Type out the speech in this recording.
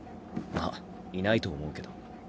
まっいないと思うけど。